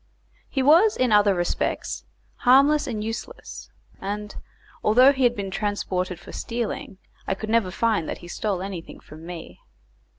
He was in other respects harmless and useless, and, although he had been transported for stealing, I could never find that he stole anything from me.